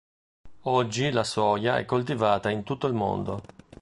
Oggi la soia è coltivata in tutto il mondo.